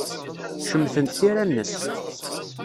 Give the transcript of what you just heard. Cemtent tira-nnes.